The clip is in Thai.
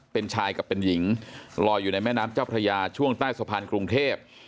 เป็นชายกับเป็นหญิงลอยอยู่ในแม่น้ำเจ้าพระยาช่วงใต้สะพานกรุงเทพ